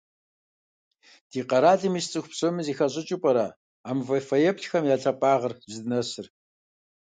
Ди къэралым ис цIыху псоми зэхащIыкIыу пIэрэ а мывэ фэеплъхэм я лъапIагъыр здынэсыр?